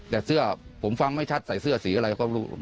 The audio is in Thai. แต่เสื้อผมฟังไม่ชัดใส่เสื้อสีอะไรก็รู้